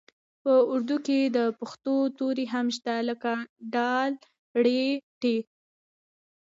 په اردو کې د پښتو توري هم شته لکه ډ ړ ټ